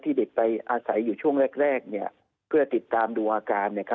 เด็กไปอาศัยอยู่ช่วงแรกเพื่อติดตามดูอาการ